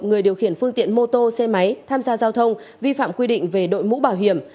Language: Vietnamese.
người điều khiển phương tiện mô tô xe máy tham gia giao thông vi phạm quy định về đội mũ bảo hiểm